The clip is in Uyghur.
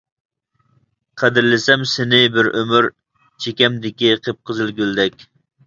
قەدىرلىسەم سېنى بىر ئۆمۈر، چېكەمدىكى قىپقىزىل گۈلدەك.